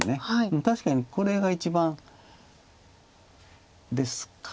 確かにこれが一番ですか。